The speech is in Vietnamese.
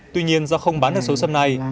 tuy nhiên do không bán được số sâm này